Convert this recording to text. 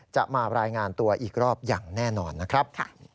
จะมารายงานตัวอีกรอบอย่างแน่นอนนะครับ